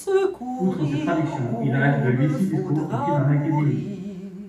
Outre ses traductions, il reste de lui six discours qu'il fit dans l'Académie.